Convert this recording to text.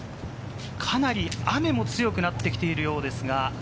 かなり雨も強くなってきているようですが。